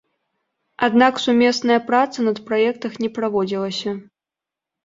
Аднак сумесная праца над праектах не праводзілася.